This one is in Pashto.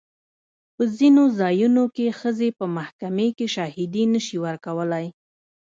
په ځینو ځایونو کې ښځې په محکمې کې شاهدي نه شي ورکولی.